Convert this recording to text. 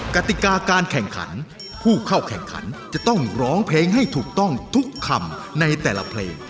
กติกาการแข่งขันผู้เข้าแข่งขันจะต้องร้องเพลงให้ถูกต้องทุกคำในแต่ละเพลง